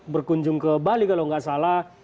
berkunjung ke bali kalau nggak salah